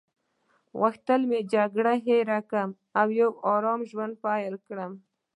غوښتل مې جګړه هیره کړم او یو آرامه ژوند پیل کړم.